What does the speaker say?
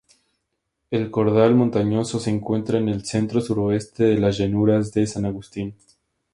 El cordal montañoso se encuentra en el centro-suroeste de las llanuras de San Agustín.